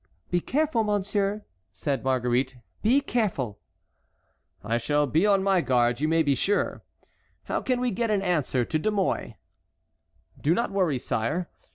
"Be careful, monsieur," said Marguerite, "be careful." "I shall be on my guard, you may be sure. How can we get an answer to De Mouy?" "Do not worry, sire.